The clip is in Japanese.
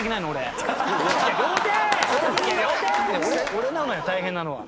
俺なのよ大変なのは。